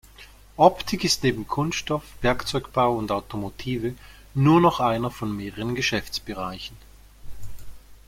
Optik ist neben Kunststoff, Werkzeugbau und Automotive nur noch einer von mehreren Geschäftsbereichen.